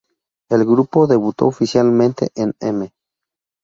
El grupo debutó oficialmente en "M!